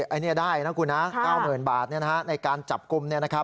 อันนี้ได้นะคุณนะ๙๐๐๐บาทในการจับกลุ่ม